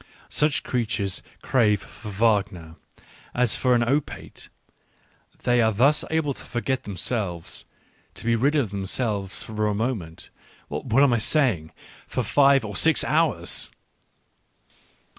Such creatures crave for Wagner as for an opiate, — they are thus able to forget themselves, to be rid of themselves for a moment. ... What am I saying !— for five or six hours.